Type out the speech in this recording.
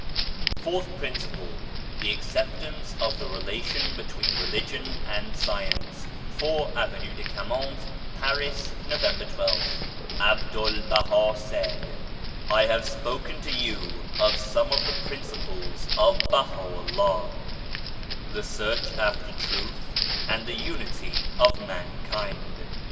] FOURTH PRINCIPLE THE ACCEPTANCE OF THE RELATION BETWEEN RELIGION AND SCIENCE 4, Avenue de Camoens, Paris, November 12th. A BDUL BAHA said :I have spoken to you of some of the principles of Baha'u'llah : The Search after Truth and The Unity RELIGION AND SCIENCE 131 of Mankind.